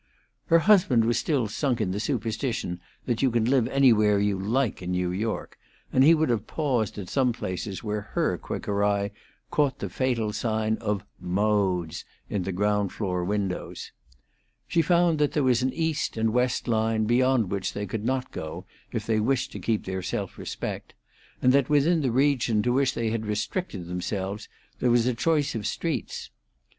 Her husband was still sunk in the superstition that you can live anywhere you like in New York, and he would have paused at some places where her quicker eye caught the fatal sign of "Modes" in the ground floor windows. She found that there was an east and west line beyond which they could not go if they wished to keep their self respect, and that within the region to which they had restricted themselves there was a choice of streets.